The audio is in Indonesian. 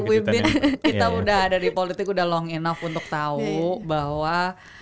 aduh wibin kita udah dari politik udah long enough untuk tau bahwa